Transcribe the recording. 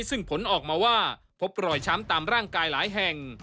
ซึ่งผลออกมาว่าพบรอยช้ำตามร่างกายหลายแห่ง